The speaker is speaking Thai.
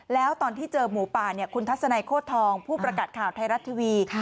แล้วตอนที่เจอหมูป่าคุณทัศนัยโคตรทองผู้ประกาศข่าวไทยรัฐทีวี